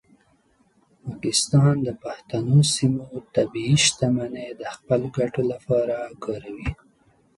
پاکستان د پښتنو سیمو طبیعي شتمنۍ د خپلو ګټو لپاره کاروي.